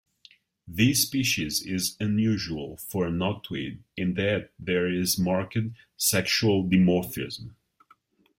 This species is unusual for a noctuid in that there is marked sexual dimorphism.